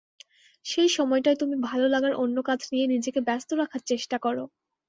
সেই সময়টায় তুমি ভালোলাগার অন্য কাজ নিয়ে নিজেকে ব্যস্ত রাখার চেষ্টা করো।